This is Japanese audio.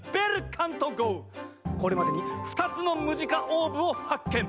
これまでに２つのムジカオーブを発見！